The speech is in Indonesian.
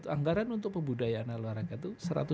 anggaran untuk pembudayaan olahraga itu